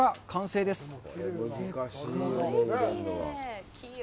完成です。